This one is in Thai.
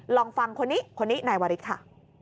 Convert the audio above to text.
ลองฟังคนนี้คนนี้ในวริสต์ค่ะ